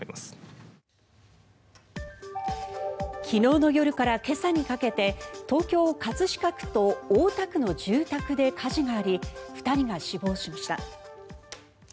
昨日の夜から今朝にかけて東京・葛飾区と大田区の住宅で火事があり２人が死亡しました。